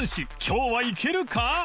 今日はいけるか？